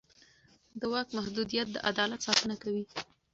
د واک محدودیت د عدالت ساتنه کوي